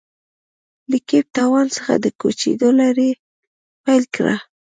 له کیپ ټاون څخه د کوچېدو لړۍ پیل کړه.